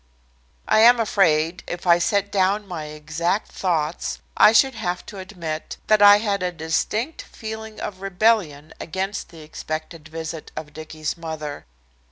I am afraid if I set down my exact thoughts I should have to admit that I had a distinct feeling of rebellion against the expected visit of Dicky's mother.